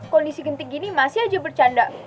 kondisi genting gini masih aja bercanda